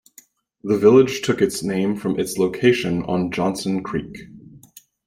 The village took its name from its location on Johnson Creek.